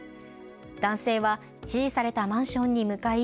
男性は指示されたマンションに向かい。